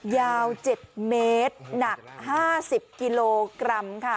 ยาว๗เมตรหนัก๕๐กิโลกรัมค่ะ